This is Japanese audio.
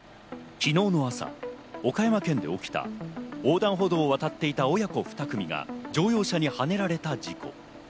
昨日の朝、岡山県で起きた横断歩道を渡っていた親子ふた組が、乗用車にはねられた事故。